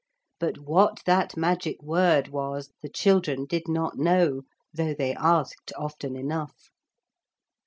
But what that magic word was the children did not know, though they asked often enough.